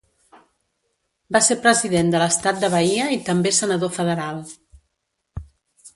Va ser president de l'estat de Bahia i també senador federal.